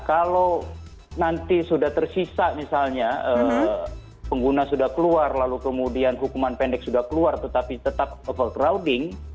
kalau nanti sudah tersisa misalnya pengguna sudah keluar lalu kemudian hukuman pendek sudah keluar tetapi tetap overcrowding